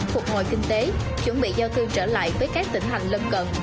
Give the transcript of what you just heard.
phục hồi kinh tế chuẩn bị giao thư trở lại với các tỉnh thành lân cận